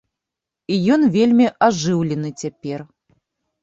І ён вельмі ажыўлены цяпер.